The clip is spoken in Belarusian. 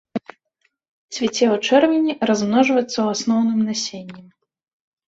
Цвіце ў чэрвені, размножваецца ў асноўным насеннем.